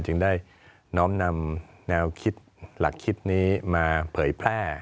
จึงได้น้อมนำแนวคิดหลักคิดนี้มาเผยแพร่